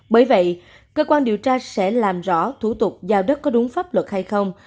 bởi vậy cơ quan điều tra sẽ làm rõ thủ tục giao đất có đúng pháp luật hay không